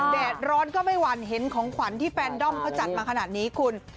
แดดร้อนก็ไม่หวั่นเห็นของขวัญที่แฟนด้อมเขาจัดมาขนาดนี้คุณ